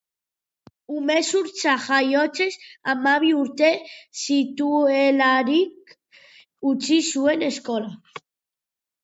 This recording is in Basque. Umezurtza jaiotzez, hamabi urte zituelarik utzi zuen eskola.